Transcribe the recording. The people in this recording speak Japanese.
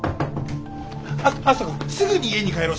あつ篤人君すぐに家に帰ろう。